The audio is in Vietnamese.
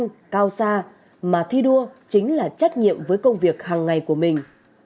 trong lực lượng vũ trang cao xa mà thi đua chính là trách nhiệm với công việc hàng ngày của mình